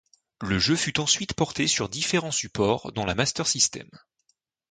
Le jeu fut ensuite porté sur différents supports dont la Master System.